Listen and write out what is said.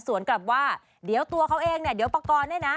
ส่วนกับว่าเดี๋ยวตัวเขาเองเดี๋ยวประกอบด้วยนะ